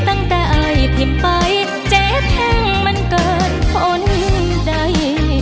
ตั้งแต่อายที่ไปเจ็บแห้งมันเกิดคนใด